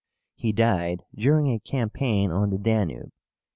He died during a campaign on the Danube.